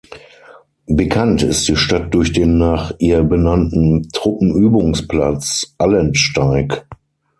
Bekannt ist die Stadt durch den nach ihr benannten Truppenübungsplatz Allentsteig.